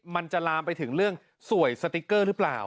มันจะลามไปถึงเรื่องสวยสติ๊กเกอร์หรือเปล่า